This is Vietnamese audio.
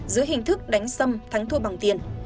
giữa hình thức đánh xâm thắng thua bằng tiền